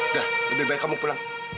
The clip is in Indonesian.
udah lebih baik kamu pulang